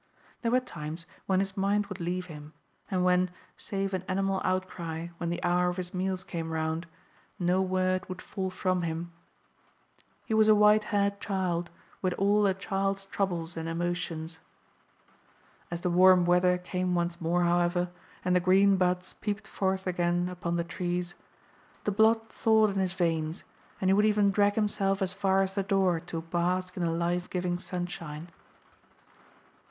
There were times when his mind would leave him, and when, save an animal outcry when the hour of his meals came round, no word would fall from him. He was a white haired child, with all a child's troubles and emotions. As the warm weather came once more, however, and the green buds peeped forth again upon the trees, the blood thawed in his veins, and he would even drag himself as far as the door to bask in the life giving sunshine.